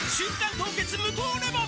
凍結無糖レモン」